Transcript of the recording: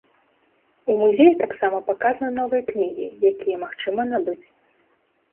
У музеі таксама паказаны новыя кнігі, якія магчыма набыць.